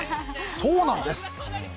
そうなんです。